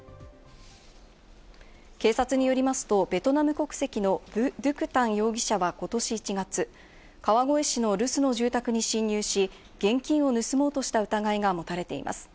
警察によりますと、ベトナム国籍のヴ・ドゥク・タン容疑者はことし１月、川越市の留守の住宅に侵入し、現金を盗もうとした疑いが持たれています。